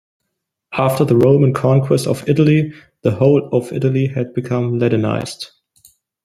After the Roman conquest of Italy "the whole of Italy had become Latinized".